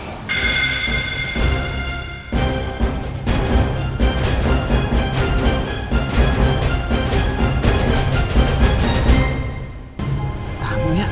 tidak ada yang lain lagi